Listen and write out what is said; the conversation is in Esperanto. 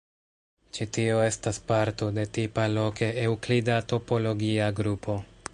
Ĉi-tio estas parto de tipa loke eŭklida topologia grupo.